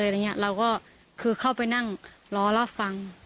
อะไรอย่างเงี้ยเราก็คือเข้าไปนั่งรอรับฟัง